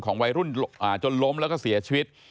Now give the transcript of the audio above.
วัยรุ่นจนล้มแล้วก็เสียชีวิต